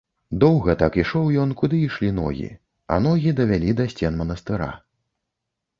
Доўга так ішоў ён, куды ішлі ногі, а ногі давялі да сцен манастыра.